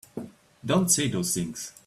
Don't say those things!